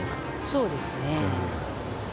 そうですね。